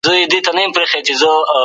هغه وينه چي په تېر کي تويه شوه عبرت دی.